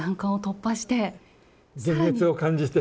幻滅を感じて。